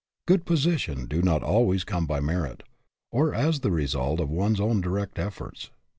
Good positions do not always come by merit, or as the result of one's own direct efforts.